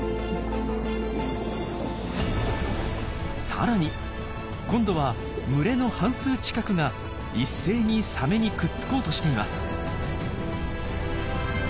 さらに今度は群れの半数近くが一斉にサメにくっつこうとしています。